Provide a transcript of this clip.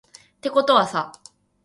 てことはさ